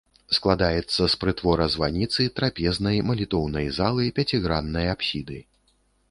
Складаецца з прытвора-званіцы, трапезнай, малітоўнай залы, пяціграннай апсіды.